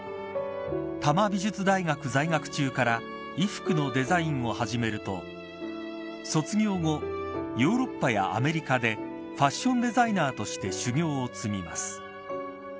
多摩美術大学在学中から衣服のデザインを始めると卒業後、ヨーロッパやアメリカでファッションデザイナーとして修行を積みます。